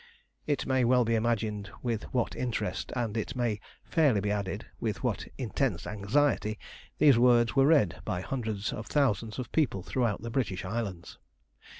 It may well be imagined with what interest, and it may fairly be added with what intense anxiety, these words were read by hundreds of thousands of people throughout the British Islands.